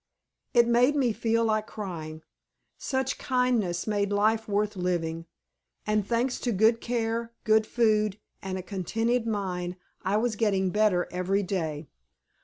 It made me feel like crying. Such kindness made life worth living, and, thanks to good care, good food, and a contented mind, I was getting better every day.